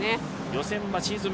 予選はシーズン